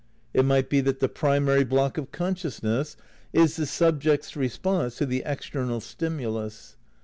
It might be that the primary block of consciousness is the subject's response to the ex ternal stimulus.